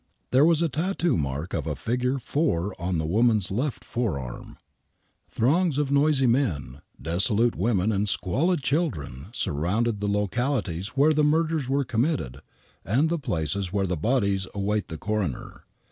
There was a tattoo mark of a figure " 4 " on the won^an's left forearm. Throngs of noisy men, dissolute women and squalid children surrounded the localities where the murders were committed and the places where the bodies await the coroner.